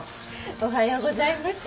おはようございます。